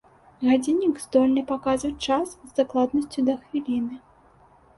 Гадзіннік здольны паказваць час з дакладнасцю да хвіліны.